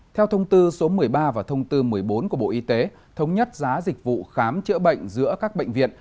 theo thông tư số một mươi ba và thông tư một mươi bốn của bộ y tế thống nhất giá dịch vụ khám chữa bệnh giữa các bệnh viện